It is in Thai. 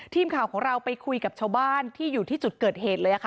ทีมข่าวของเราไปคุยกับชาวบ้านที่อยู่ที่จุดเกิดเหตุเลยค่ะ